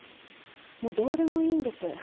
もうどうでもいいんです。